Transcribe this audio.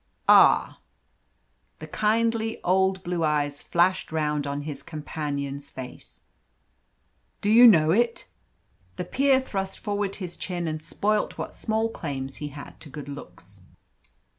"Ah!" The kindly old blue eyes flashed round on his companion's face. "Do you know it?" The peer thrust forward his chin and spoilt what small claims he had to good looks.